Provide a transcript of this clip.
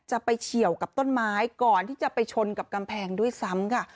ไปเฉียวกับต้นไม้ก่อนที่จะไปชนกับกำแพงด้วยซ้ำค่ะ